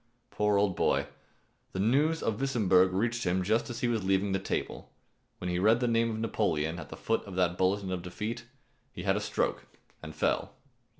Poor old boy! The news of Wissemburg reached him just as he was leaving the table. When he read the name of Napoleon at the foot of that bulletin of defeat, he had a stroke and fell.